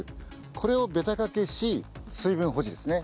これをべた掛けし水分保持ですね